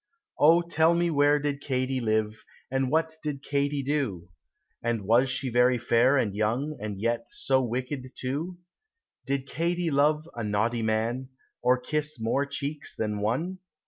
Oh tell me where did Katy live, And what did Katy do? And was she very fair and young, And yet so wicked, too? Did Katy love a naughty man, Or kiss more cheeks than one?